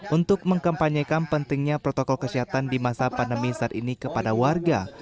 untuk mengkampanyekan pentingnya protokol kesehatan di masa pandemi saat ini kepada warga